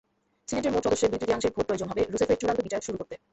সিনেটের মোট সদস্যের দুই-তৃতীয়াংশের ভোট প্রয়োজন হবে রুসেফের চূড়ান্ত বিচার শুরু করতে।